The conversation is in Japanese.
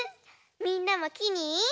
みんなもきに。